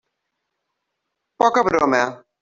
Poca broma.